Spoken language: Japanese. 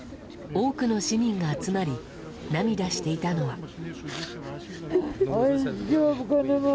多くの市民が集まり涙していたのは。